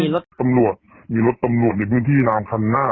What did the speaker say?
รถตำรวจมีรถตำรวจในพื้นที่รองคันหน้า